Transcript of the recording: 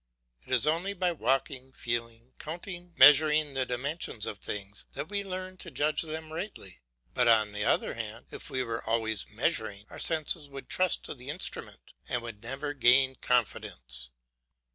It is only by walking, feeling, counting, measuring the dimensions of things, that we learn to judge them rightly; but, on the other hand, if we were always measuring, our senses would trust to the instrument and would never gain confidence.